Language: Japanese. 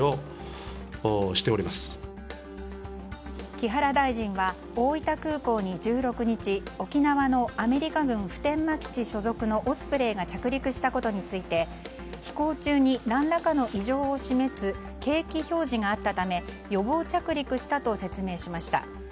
木原大臣は、大分空港に１６日沖縄のアメリカ軍普天間基地所属のオスプレイが着陸したことについて飛行中に何らかの異常を示す計器表示があったため予防着陸したと説明しました。